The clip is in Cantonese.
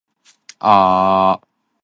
長洲蝦醬